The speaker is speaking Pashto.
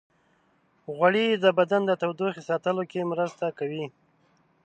غوړې د بدن د تودوخې ساتلو کې مرسته کوي.